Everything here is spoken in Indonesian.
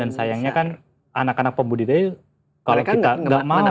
dan sayangnya kan anak anak pembudidaya kalau kita gak mau